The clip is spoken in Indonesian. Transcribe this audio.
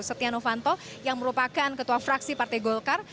setia novanto yang merupakan ketua fraksi partai golkar